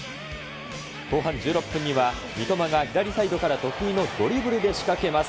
後半１６分には、三笘が左サイドから得意のドリブルで仕掛けます。